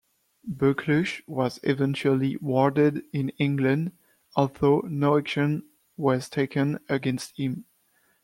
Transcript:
Buccleuch was eventually 'warded' in England although no action was taken against him.